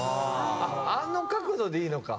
あっあの角度でいいのか。